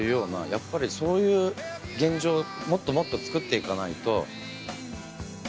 やっぱりそういう現状をもっともっとつくっていかないと。